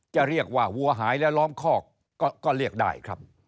จะเรียกว่าวัวหายและล้อมคอกก็เรียกได้ครับ